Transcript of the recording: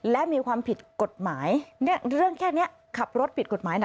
และมีความผิดกฎหมายเรื่องแค่นี้ขับรถผิดกฎหมายนะ